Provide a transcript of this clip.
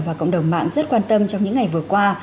và cộng đồng mạng rất quan tâm trong những ngày vừa qua